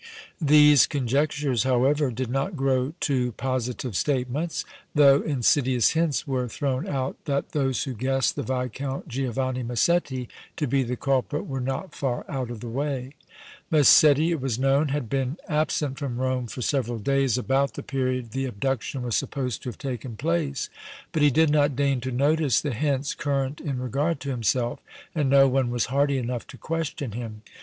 These conjectures, however, did not grow to positive statements, though insidious hints were thrown out that those who guessed the Viscount Giovanni Massetti to be the culprit were not far out of the way. Massetti, it was known, had been absent from Rome for several days about the period the abduction was supposed to have taken place, but he did not deign to notice the hints current in regard to himself and no one was hardy enough to question him.